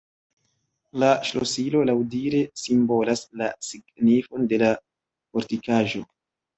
La ŝlosilo laŭdire simbolas la signifon de la fortikaĵo.